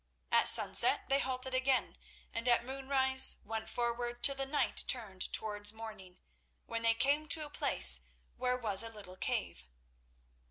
At sunset they halted again, and at moonrise went forward till the night turned towards morning, when they came to a place where was a little cave.